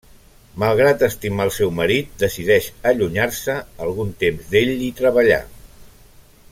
Malgrat estimar el seu marit, decideix allunyar-se algun temps d'ell i treballar.